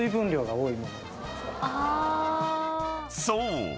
［そう。